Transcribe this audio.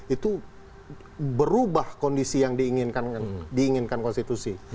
itu berubah kondisi yang diinginkan konstitusi